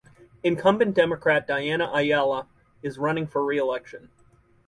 Incumbent Democrat Diana Ayala is running for reelection.